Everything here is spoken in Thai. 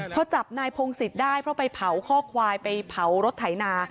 พอจับนายพงศิษย์ได้เพราะไปเผาข้อควายไปเผารถไถนา